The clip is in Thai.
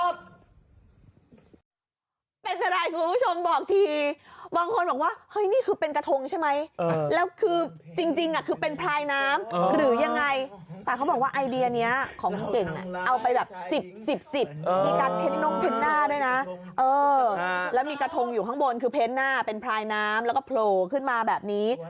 ศุกรรณวันรอยกระทงครับ